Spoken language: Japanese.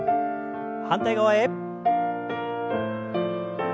反対側へ。